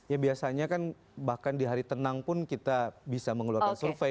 ya biasanya kan bahkan di hari tenang pun kita bisa mengeluarkan survei